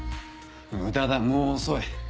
無駄だもう遅い。